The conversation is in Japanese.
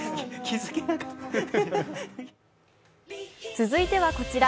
続いては、こちら。